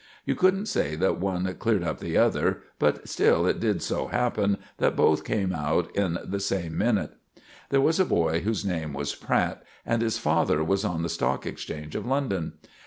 You couldn't say that one cleared up the other, but still, it did so happen that both came out in the same minute. There was a boy whose name was Pratt, and his father was on the Stock Exchange of London.